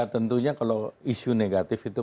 tentunya kalau isu negatif itu